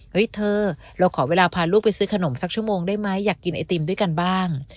เธอเราขอเวลาพาลูกไปซื้อขนมสักชั่วโมงได้ไหมอยากกินไอติมด้วยกันบ้าง